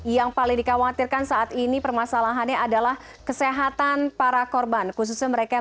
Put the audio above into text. yang paling dikhawatirkan saat ini permasalahannya adalah kesehatan para korban khususnya mereka yang